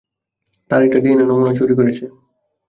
তারা একটা ডিএনএ নমুনা চুরি করেছে।